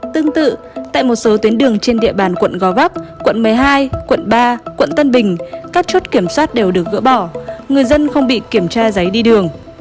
tương tự tại một số tuyến đường trên địa bàn quận gò vấp quận một mươi hai quận ba quận tân bình các chốt kiểm soát đều được gỡ bỏ người dân không bị kiểm tra giấy đi đường